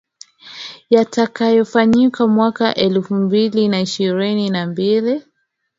yatayofanyika mwaka elfu mbili na ishirini na mbili